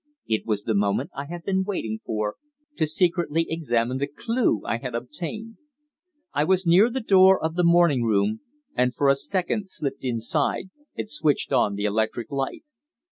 It was the moment I had been waiting for, to secretly examine the clue I had obtained. I was near the door of the morning room, and for a second slipped inside and switched on the electric light.